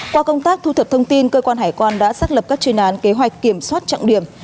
qua công tác thu thập thông tin cơ quan hải quan đã xác lập các chuyên án kế hoạch kiểm soát trọng điểm